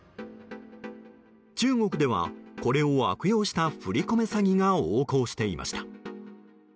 中国では、これを悪用した振り込め詐欺が横行していました。